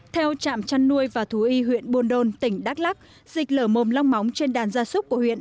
theo trạm chăn nuôi và thú y huyện buôn đôn tỉnh đắk lắc dịch lở mồm long móng trên đàn gia súc của huyện